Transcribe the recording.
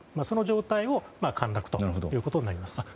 その状態が陥落ということになります。